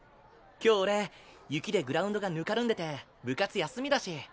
今日俺雪でグラウンドがぬかるんでて部活休みだし。